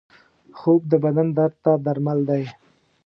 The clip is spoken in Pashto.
خوب د بدن درد ته درمل دی